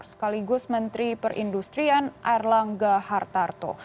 sekaligus menteri perindustrian erlangga hartarto